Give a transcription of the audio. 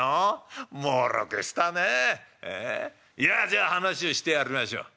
じゃあ話をしてやりましょう。